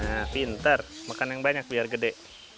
nah pinter makan yang banyak biar gede